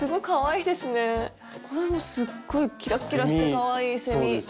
これもすっごいキラッキラしてかわいいセミ。